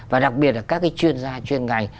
và đặc biệt là các chuyên gia chuyên ngành